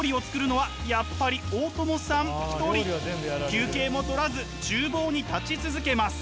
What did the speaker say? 休憩も取らず厨房に立ち続けます。